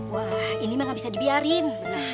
wah ini memang gak bisa dibiarin